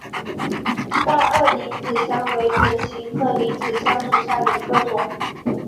大萼铃子香为唇形科铃子香属下的一个种。